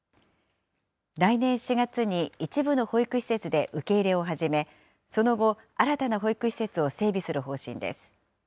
来年４月に一部の保育施設で受け入れを始め、その後、新たな保育施設を整備する方針です。